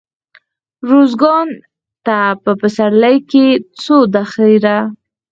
روزګان ته په پسرلي کښي ځو دخيره.